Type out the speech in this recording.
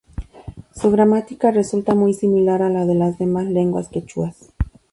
Su gramática resulta muy similar a la de las demás lenguas quechuas.